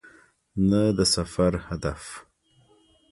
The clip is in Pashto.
نه د سفر هدف .